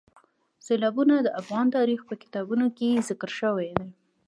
سیلابونه د افغان تاریخ په کتابونو کې ذکر شوی دي.